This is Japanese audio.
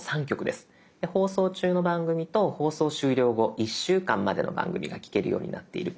で放送中の番組と放送終了後１週間までの番組が聴けるようになっている